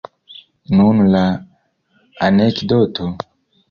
Nun la anekdoto.